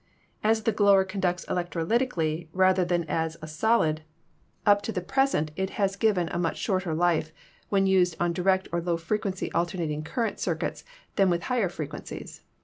As the glower conducts electrolytically rather than as a 242 ELECTRICITY solid, tip to the present it has given a much shorter life when used on direct or low frequency alternating current circuits than with higher frequencies.